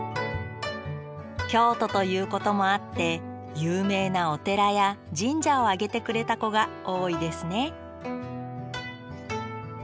京都ということもあって有名なお寺や神社を挙げてくれた子が多いですね